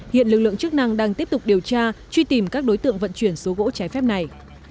hiện lực lượng chức năng đang tiếp tục điều tra truy tìm các đối tượng vận chuyển số gỗ trái phép này